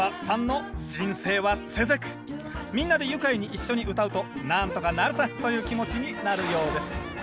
みんなで愉快に一緒に歌うと「なんとかなるさ」という気持ちになるようです